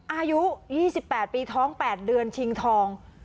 อายุ๒๘ปีท้อง๘เดือนชิงทอง